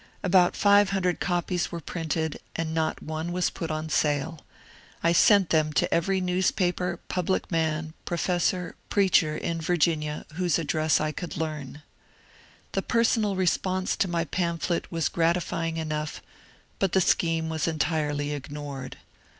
About 500 copies were printed and not one was put on sale; I sent them to every newspaper, public man, professor, preacher in Virginia, whose address I could learn. The personal response to my pamphlet was gratifying enough, but the scheme was entirely ignored.